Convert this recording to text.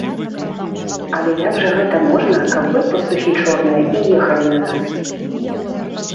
Але як жа гэта можна, каб вы, пастухі чорныя, і ехалі на нас?